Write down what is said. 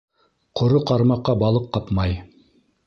Ҡоро ҡармаҡҡа балыҡ ҡапмай.